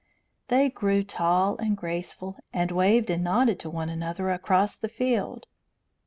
They grew tall and graceful, and waved and nodded to one another across the field.